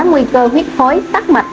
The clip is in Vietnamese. nguy cơ huyết khối tắt mạch